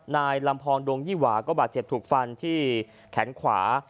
นายลำพองดงยี่หวาก็บาดเจ็บถูกฟันที่แขนขวา